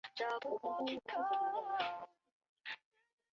二硫代草酰胺是一种有机化合物。